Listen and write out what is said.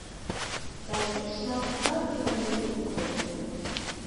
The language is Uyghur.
بەزى ئىشلار تاسادىپىي ئوڭدىن كېلىپ قالىدىكەن.